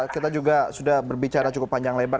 kita juga sudah berbicara cukup panjang lebar